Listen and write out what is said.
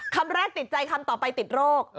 คำแรกติดใจคำต่อไปติดโรค